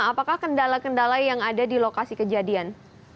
apakah kendala kendala yang ada di lokasi kejadian